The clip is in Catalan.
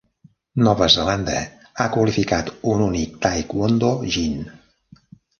Nova Zelanda ha qualificat un únic taekwondo jin.